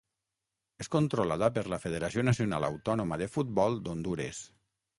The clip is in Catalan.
És controlada per la Federació Nacional Autònoma de Futbol d'Hondures.